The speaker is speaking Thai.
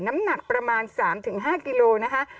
น้ำหนักประมาณ๓๕กิโลนะคะ